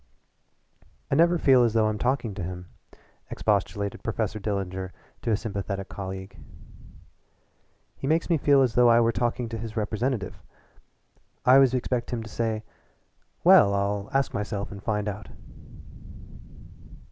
"I never feel as though I'm talking to him," expostulated Professor Dillinger to a sympathetic colleague. "He makes me feel as though I were talking to his representative. I always expect him to say: 'Well, I'll ask myself and find out.'"